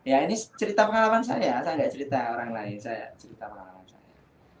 ya ini cerita pengalaman saya saya nggak cerita orang lain saya cerita pengalaman saya